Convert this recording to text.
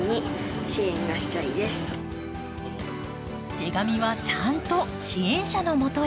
手紙はちゃんと支援者のもとへ。